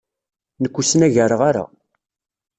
Nekk ur snagareɣ ara.